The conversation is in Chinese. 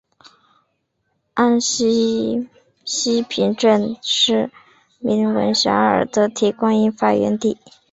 安溪西坪镇是名闻遐迩的铁观音发源地。